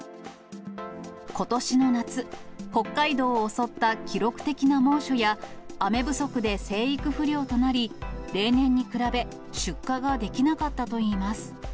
ことしの夏、北海道を襲った記録的な猛暑や、雨不足で生育不良となり、例年に比べ出荷ができなかったといいます。